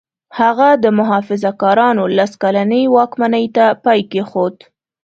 هغه د محافظه کارانو لس کلنې واکمنۍ ته پای کېښود.